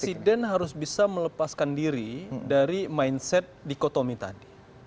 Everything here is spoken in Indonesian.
presiden harus bisa melepaskan diri dari mindset dikotomi tadi